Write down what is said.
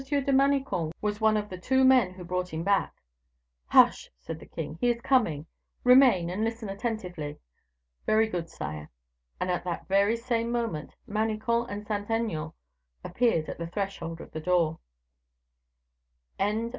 de Manicamp was one of the two men who brought him back " "Hush!" said the king, "he is coming; remain, and listen attentively." "Very good, sire." And, at the very same moment, Manicamp and Saint Aignan appeared at the threshold of the door. Chapter XVII.